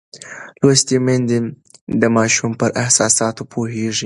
لوستې میندې د ماشوم پر احساساتو پوهېږي.